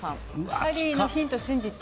ハリーのヒントを信じて。